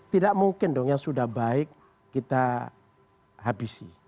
tidak mungkin dong yang sudah baik kita habisi